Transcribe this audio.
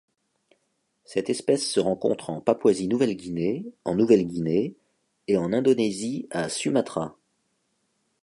Cette espèce se rencontre en Papouasie-Nouvelle-Guinée en Nouvelle-Guinée et en Indonésie à Sumatra.